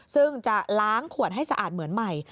ซึ่งจะล้างขวดให้สะอาดเหมือนใหม่